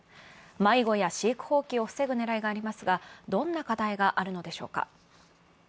迷子や飼育放棄を防ぐねらいがありますが、どんな課題があるのでしょうか。